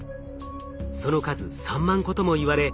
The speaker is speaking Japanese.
その数３万個ともいわれ